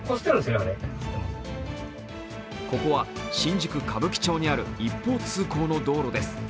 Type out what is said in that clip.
ここは新宿歌舞伎町にある一方通行の道路です。